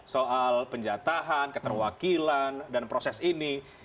soal penjatahan keterwakilan dan proses ini